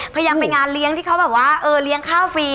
พยายามไปงานเลี้ยงที่เขาแบบว่าเออเลี้ยงข้าวฟรี